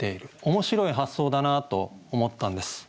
面白い発想だなと思ったんです。